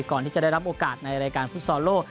ก่อนที่จะได้รับโอกาสในรายการฟุตซอลโลก